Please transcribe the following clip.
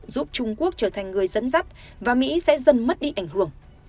giúp trung quốc trở thành người dẫn dắt và mỹ sẽ dần mất đi ảnh hưởng